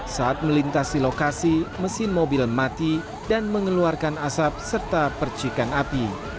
saat melintasi lokasi mesin mobil mati dan mengeluarkan asap serta percikan api